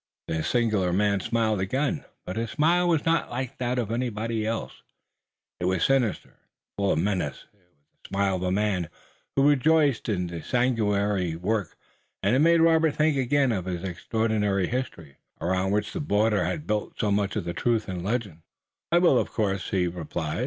The singular man smiled again, but his smile was not like that of anybody else. It was sinister and full of menace. It was the smile of a man who rejoiced in sanguinary work, and it made Robert think again of his extraordinary history, around which the border had built so much of truth and legend. "I will help, of course," he replied.